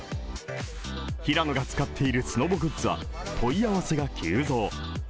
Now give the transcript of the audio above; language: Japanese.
平野が使っているスノボグッズは問い合わせが急増。